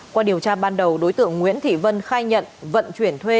qua điều tra ban đầu đối tượng nguyễn thị vân khai nhận vận chuyển thuê